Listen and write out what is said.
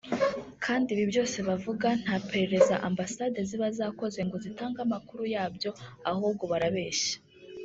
kandi ibi byose bavuga nta perereza Ambassade ziba zakoze ngo zitange amakuru yabyo ahubwo barabeshya